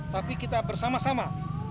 tapi kita bersama sama